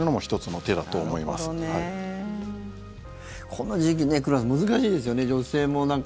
この時期、くららさん難しいですよね、女性も。